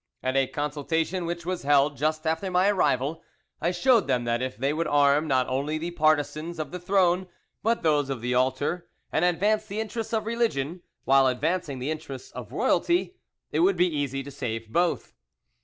At a consultation which was held just after my arrival, I showed them that if they would arm not only the partisans of the throne, but those of the altar, and advance the interests of religion while advancing the interests of royalty, it would be easy to save both.